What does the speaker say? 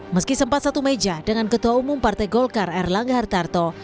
meski sempat satu meja dengan ketua umum partai golkar erlangga hartarto